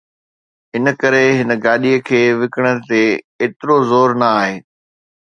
ان ڪري هن گاڏيءَ کي وڪڻڻ تي ايترو زور نه آهي